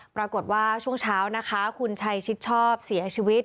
ปรากฏว่าช่วงเช้านะคะคุณชัยชิดชอบเสียชีวิต